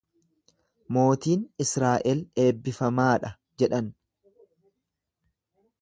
Mootiin Israa’el eebbifamaa dha jedhan.